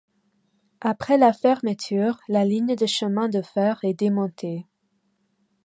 Après la fermeture, la ligne de chemin de fer est démontée.